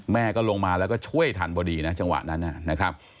แม่ก็ลงมาแล้วก็ช่วยทันพอดีนะจังหวะนั้นนะครับ